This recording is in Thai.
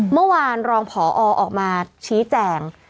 เมื่อวานรองผอออกมาชี้แจง